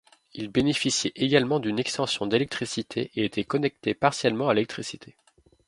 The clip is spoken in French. Il bénéficiait également d'une extension d’électricité et était connecté partiellement à l’électricité.